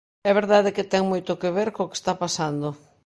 É verdade que ten moito que ver co que está pasando.